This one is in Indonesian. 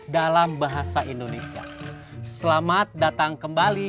dalam bahasa indonesia selamat datang kembali